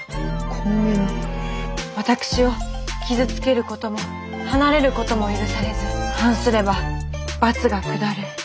私を傷つけることも離れることも許されず反すれば罰が下る。